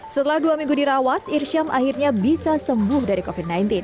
setelah dua minggu dirawat irsyam akhirnya bisa sembuh dari covid sembilan belas